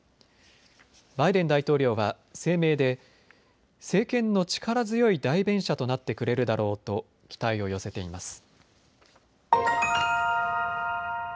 バイデン大統領は声明で政権の力強い代弁者となってくれるだろうと期待を寄せています。